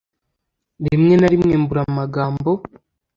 rimwe narimwe mbura amagambo